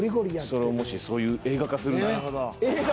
それをもしそういう映画化するなら。